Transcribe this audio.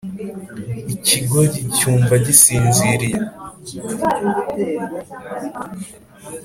ikigoryi cyumva gisinziriye